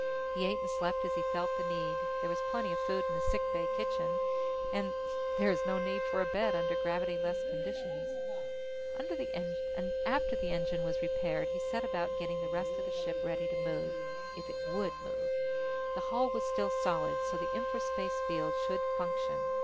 He ate and slept as he felt the need. There was plenty of food in the sick bay kitchen, and there is no need for a bed under gravity less conditions. After the engine was repaired, he set about getting the rest of the ship ready to move if it would move. The hull was still solid, so the infraspace field should function.